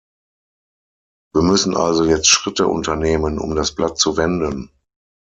Wir müssen also jetzt Schritte unternehmen, um das Blatt zu wenden.